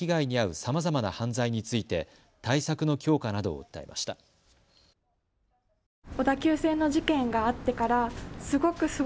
さまざま犯罪について対策の強化などを訴えました。